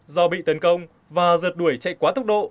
do bị tấn công và giật đuổi chạy quá tốc độ